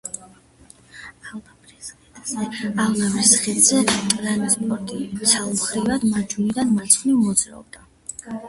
ავლაბრის ხიდზე ტრანსპორტი ცალმხრივად, მარჯვნიდან მარცხნივ მოძრაობდა.